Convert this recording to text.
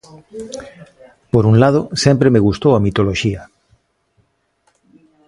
Por un lado, sempre me gustou a mitoloxía.